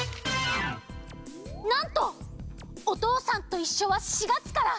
なんと「おとうさんといっしょ」は４がつから。